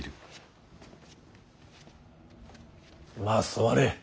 まあ座れ。